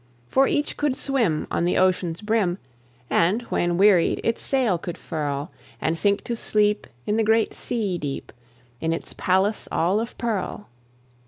For each could swim on the ocean's brim, And, when wearied, its sail could furl, And sink to sleep in the great sea deep, In its palace all of pearl.